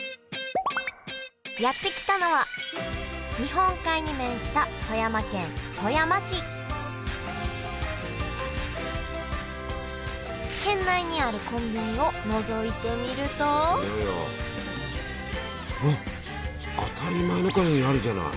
やって来たのは日本海に面した富山県富山市県内にあるコンビニをのぞいてみるとあっ当たり前みたいにあるじゃない。